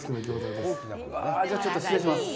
じゃあ、ちょっと失礼します。